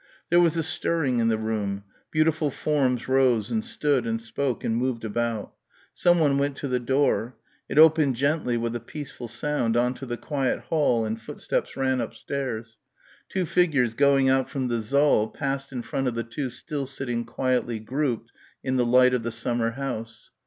There was a stirring in the room; beautiful forms rose and stood and spoke and moved about. Someone went to the door. It opened gently with a peaceful sound on to the quiet hall and footsteps ran upstairs. Two figures going out from the saal passed in front of the two still sitting quietly grouped in the light of the summer house.